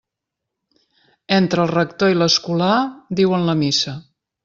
Entre el rector i l'escolà diuen la missa.